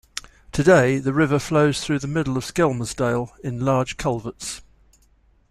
Today, the river flows through the middle of Skelmersdale in large culverts.